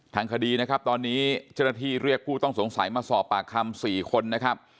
ทางคดีนะครับตอนนี้เจ้าหน้าที่เรียกผู้ต้องสงสัยมาสอบปากคำ๔คนนะครับ